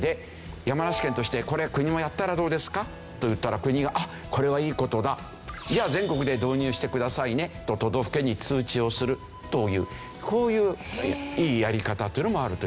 山梨県としてこれ国もやったらどうですか？と言ったら国がこれはいい事だじゃあ全国で導入してくださいねと都道府県に通知をするというこういういいやり方というのもあるという事ですね。